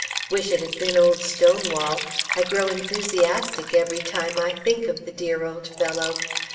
Wish it had been old Stonewall! I grow enthusiastic every time I think of the dear old fellow!